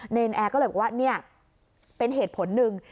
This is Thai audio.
เนรนแอร์ก็เลยบอกว่าเนี่ยเป็นเหตุผลหนึ่ง